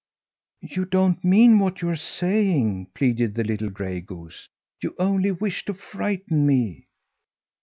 "You don't mean what you are saying," pleaded the little gray goose. "You only wish to frighten me!"